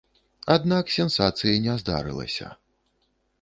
Аднак, сенсацыі не здарылася.